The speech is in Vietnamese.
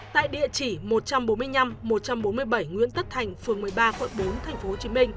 tại địa chỉ một trăm bốn mươi năm một trăm bốn mươi bảy nguyễn tất thành phường một mươi ba quận bốn tp hcm